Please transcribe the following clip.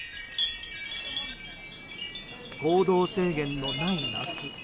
行動制限のない夏。